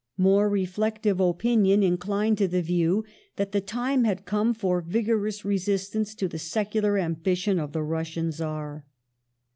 More reflective opinion inclined to the view that the time had come for vigorous resistance to the secular ambition of the Russian Czar.